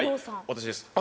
私です。